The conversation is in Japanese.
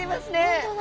本当だ。